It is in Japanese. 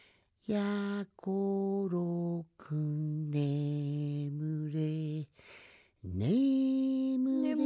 「やころくん」「ねむれ」